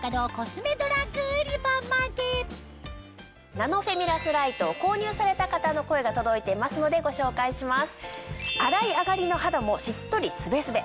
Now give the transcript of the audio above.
ナノフェミラスライトを購入された方の声が届いていますのでご紹介します。